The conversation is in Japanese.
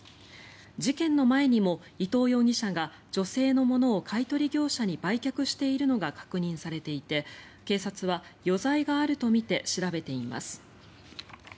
事件の前にも伊藤容疑者が女性のものを買い取り業者に売却しているのが確認されていて警察は余罪があるとみて調べています。